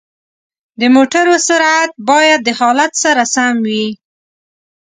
د موټرو سرعت باید د حالت سره سم وي.